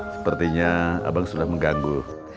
sepertinya abang sudah mengganggu